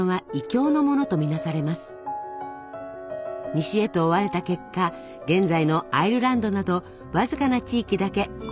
西へと追われた結果現在のアイルランドなどわずかな地域だけこの伝統が残りました。